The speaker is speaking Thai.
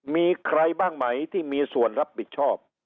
มีใครบ้างไหมที่มีส่วนรับผิดชอบ